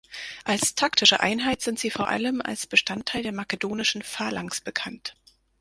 Als taktische Einheit sind sie vor allem als Bestandteil der makedonischen Phalanx bekannt.